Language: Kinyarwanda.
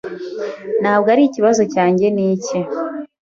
Ntabwo ari ikibazo cyanjye Ni icye.